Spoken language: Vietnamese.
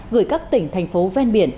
gửi các tỉnh thành phố ven biển